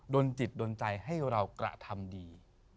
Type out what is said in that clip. จิตโดนใจให้เรากระทำดี